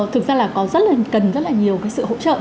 thực ra là có rất là cần rất là nhiều cái sự hỗ trợ